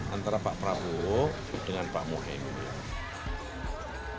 antara pak prabowo dengan pak mohaimin